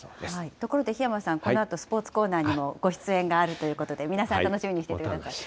ところで、檜山さん、このあとスポーツコーナーにもご出演があるということで、皆さん楽しみにしていてください。